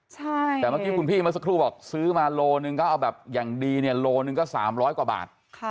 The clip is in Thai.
แต่เมื่อกี้คุณพี่เมื่อสักครู่บอกซื้อมาโลหนึ่งก็เอาแบบอย่างดีเนี่ยโลหนึ่งก็๓๐๐กว่าบาท